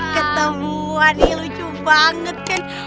ketemuan ya lucu banget kan